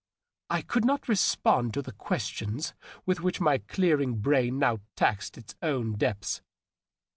I could not respond to the questions with which my clearing brain now taxed its own depths.